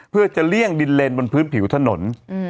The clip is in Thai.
เพื่อจะเลี่ยงดินเลนบนพื้นผิวถนน